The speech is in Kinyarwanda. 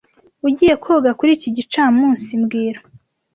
Ugiye koga kuri iki gicamunsi mbwira